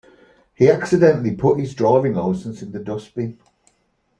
He accidentally put his driving licence in the dustbin